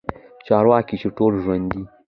چارواکي چې ټول ژوندي